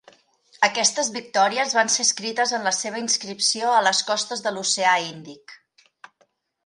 Aquestes victòries van ser escrites en la seva inscripció a les costes de l'oceà Índic.